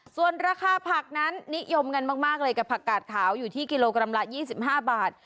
ส่วนราคาผักนั้นนิยมกันมากเลยกับผักกาดขาวอยู่ที่กิโลกรัมละ๒๕บาท